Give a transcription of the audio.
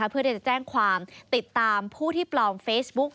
เพื่อที่จะแจ้งความติดตามผู้ที่ปลอมเฟซบุ๊ก